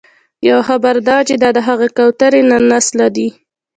یوه خبره دا وه چې دا د هغه کوترې له نسله دي.